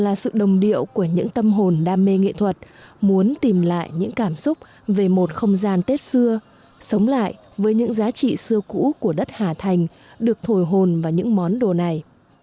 âm hồn đam mê nghệ thuật muốn tìm lại những cảm xúc về một không gian tết xưa sống lại với những giá trị xưa cũ của đất hà thành được thổi hồn vào những món đồ này